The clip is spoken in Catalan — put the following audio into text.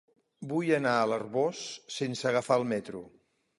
Vull anar a l'Arboç sense agafar el metro.